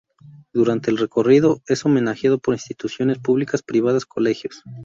Durante el recorrido es homenajeado por instituciones públicas, privadas, colegios.